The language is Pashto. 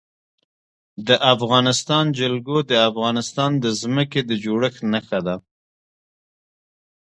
د افغانستان جلکو د افغانستان د ځمکې د جوړښت نښه ده.